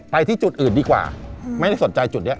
ไปที่จุดอื่นดีกว่าไม่ได้สนใจจุดนี้